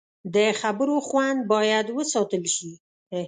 د خبرو خوند باید وساتل شي